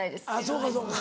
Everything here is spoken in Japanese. そうかそうか。